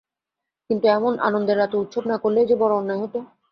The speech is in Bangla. কিন্তু এমন আনন্দের রাতে উৎসব না করলেই যে বড় অন্যায় হতো।